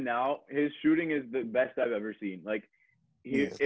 bahkan sekarang dia terbentuk terbaik yang pernah saya lihat